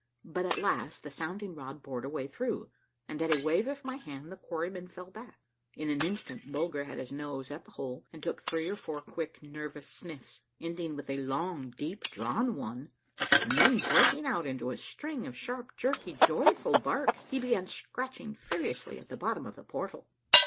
But at last the sound ing rod bored a way through, and at a wave of my hand the quarrymen fell back. In an instant Bulger had his nose at the hole, and took three or four quick, nervous sniffs, ending with a long, deep drawn one, and then breaking out into a string of sharp, jerky, joyful barks, he began scratching furiously at the bottom of the portal.